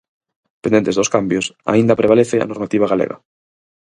Pendentes dos cambios, aínda prevalece a normativa galega.